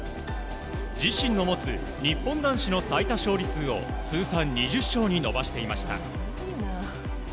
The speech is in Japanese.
自身の持つ日本男子の最多勝利数を通算２０勝に伸ばしていました。